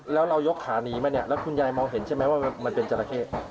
แล้วเรายกขาหนีมาเนี่ยแล้วคุณยายมองเห็นใช่ไหมว่ามันเป็นจราเข้